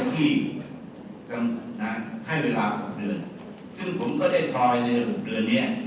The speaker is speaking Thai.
ที่จะให้เวลา๖เดือนซึ่งผมก็ได้ทอยในหกเดือนเนี้ย